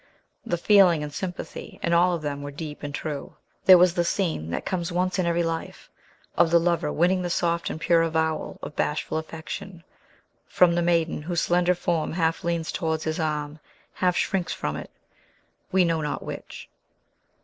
The feeling and sympathy in all of them were deep and true. There was the scene, that comes once in every life, of the lover winning the soft and pure avowal of bashful affection from the maiden whose slender form half leans towards his arm, half shrinks from it, we know not which.